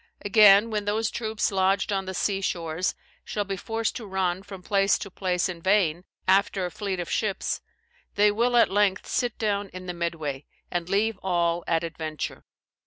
Again, when those troops lodged on the sea shores, shall be forced to run from place to place in vain, after a fleet of ships, they will at length sit down in the midway, and leave all at adventure.